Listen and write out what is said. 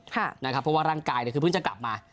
เพราะว่าร่างกายคือเพิ่งจะกลับมา